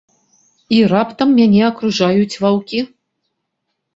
І раптам мяне акружаюць ваўкі.